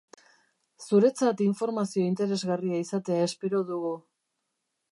Zuretzat informazio interesgarria izatea espero dugu.